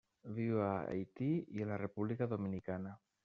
Viu a Haití i la República Dominicana.